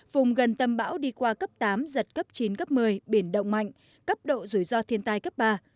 vùng gần tâm bão đi qua cấp tám giật cấp chín cấp một mươi biển động mạnh cấp độ rủi ro thiên tai cấp ba